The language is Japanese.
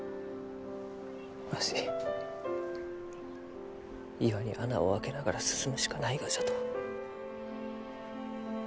わし岩に穴を開けながら進むしかないがじゃと。